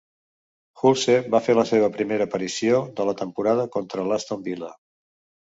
Hulse va fer la seva primera aparició de la temporada contra l'Aston Villa.